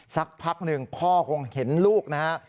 สักพักหนึ่งพ่อคงเห็นลูกนะฮะ